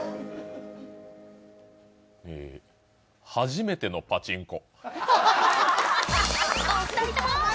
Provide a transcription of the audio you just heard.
初めてのパチンコ。